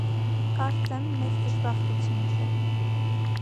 - Կարծեմ, մեծ դժբախտություն չէ: